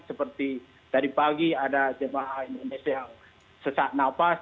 seperti tadi pagi ada jemaah indonesia yang sesak nafas